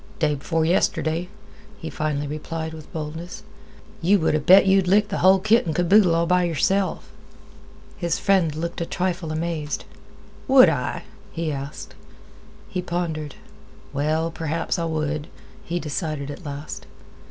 "Day b'fore yesterday," he finally replied, with boldness, "you would 'a' bet you'd lick the hull kit an' boodle all by yourself." His friend looked a trifle amazed. "Would I?" he asked. He pondered. "Well, perhaps I would," he decided at last.